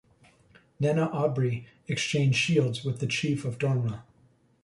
Nana Obiri exchanged shields with the Chief of Dormaa.